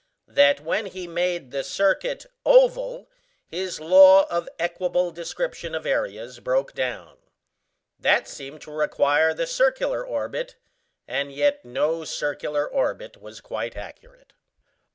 that when he made the circuit oval his law of equable description of areas broke down. That seemed to require the circular orbit, and yet no circular orbit was quite accurate.